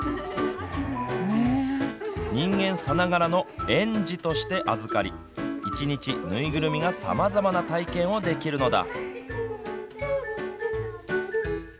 人間さながらの園児として預かり１日縫いぐるみがさまざまな体験をできるのだ。